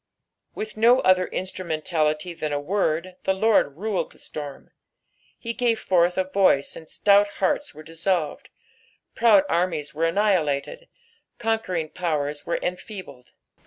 With no other instrumentality thaii a word the Lord ruled the storm. He gave forth a voice and stout hearts were dissolved, proud armies were annihilated, conquering powers were enfeebled.